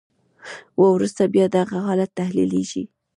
وروسته بیا دغه حالت تحلیلیږي.